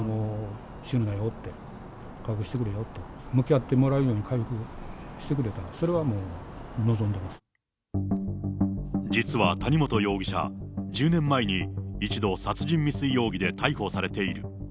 死ぬなよって、回復してくれよと、向き合ってもらえるように回復してくれたら、それはもう望んでま実は谷本容疑者、１０年前に１度、殺人未遂容疑で逮捕されている。